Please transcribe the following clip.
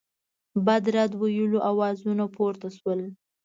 بد رد ویلو آوازونه پورته سول.